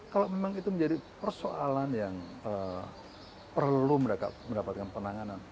kalau memang itu menjadi persoalan yang perlu mendapatkan penanganan